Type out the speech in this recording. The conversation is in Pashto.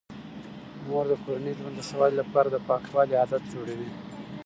مور د کورني ژوند د ښه والي لپاره د پاکوالي عادات جوړوي.